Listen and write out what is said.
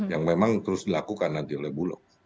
yang memang terus dilakukan nanti oleh bulog